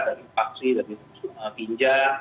dari paksi dari pinja